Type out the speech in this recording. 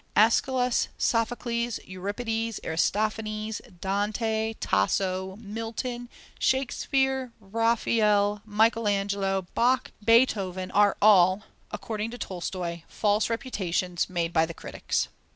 Aeschylus, Sophocles, Euripides, Aristophanes, Dante, Tasso, Milton, Shakespeare, Raphael, Michael Angelo, Bach, Beethoven, are all, according to Tolstoï, "false reputations, made by the critics."